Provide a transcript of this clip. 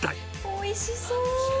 おいしそう。